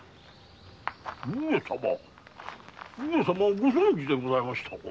ご存じでございましたか？